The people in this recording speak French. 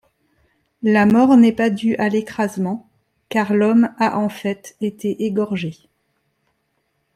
La mort n'est pas due à l'écrasement car l’homme a en fait été égorgé.